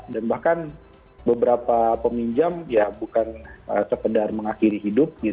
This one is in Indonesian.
dan bahkan beberapa peminjam ya bukan sepedar mengakhiri hidup